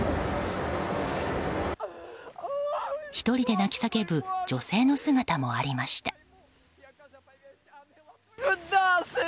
１人で泣き叫ぶ女性の姿もありました。